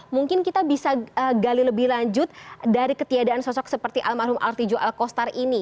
mungkin kita bisa gali lebih lanjut dari ketiadaan sosok seperti almarhum al tiju al kostar ini